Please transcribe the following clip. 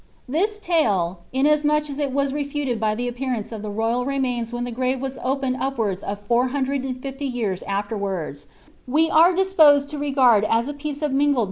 * This tale, inasmuch as it was refuted by the appearance of the royal remains when the grave was opened upwards of four hundred and fifty years afterwards, we are disposed to regard as a piece of mingled ' Ordericut Titalis. Speed.